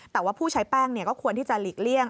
แต่ว่าผู้ใช้แป้งก็ควรที่จะหลีกเลี่ยง